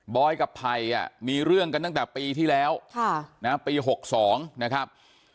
อยกับไผ่มีเรื่องกันตั้งแต่ปีที่แล้วปี๖๒นะครับ